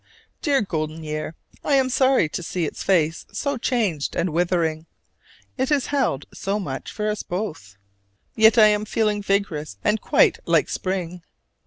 Dear golden year! I am sorry to see its face so changed and withering: it has held so much for us both. Yet I am feeling vigorous and quite like spring.